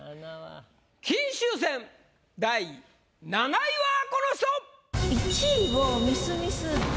金秋戦第７位はこの人！